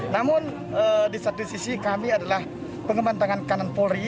namun di satu sisi kami adalah pengembantangan kanan polri